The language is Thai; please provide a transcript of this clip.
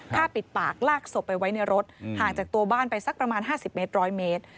ฆ่าปิดปากลากศพไปไว้ในรถห่างจากตัวบ้านไปสักประมาณ๕๐เมตร๑๐๐เมตร